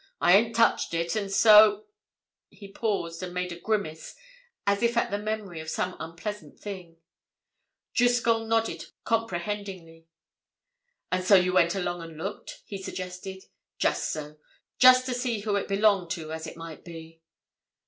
"I ain't touched it. And so—" He paused and made a grimace as if at the memory of some unpleasant thing. Driscoll nodded comprehendingly. "And so you went along and looked?" he suggested. "Just so—just to see who it belonged to, as it might be."